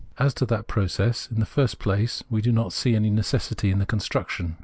As to that process, in the first place we do not see any necessity in the construction.